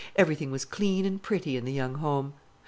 Everything was clean and pretty in the young home.